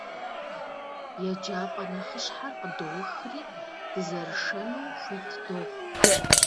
ЕджапӀэ нэхъыщхьэр къыдоухри, дызэрышэну хуит дохъу.